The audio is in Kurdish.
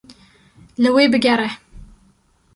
Li wê bigere.